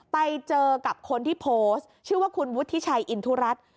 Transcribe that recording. ไปเจอกับคนที่โพสต์ชื่อว่าคุณวุฒิชัยอินทุรัตน์